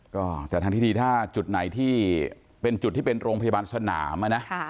ก็แต่ทางที่ดีถ้าจุดไหนที่เป็นจุดที่เป็นโรงพยาบาลสนามนะ